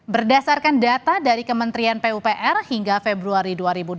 berdasarkan data dari kementerian pupr hingga februari dua ribu dua puluh